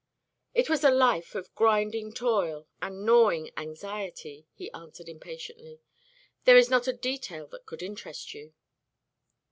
"It was a life of grinding toil, and gnawing anxiety," he answered impatiently. "There is not a detail that could interest you."